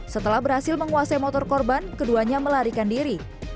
setelah berhasil menguasai motor korban keduanya melarikan diri